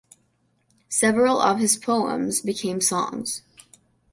Several of his poems became songs.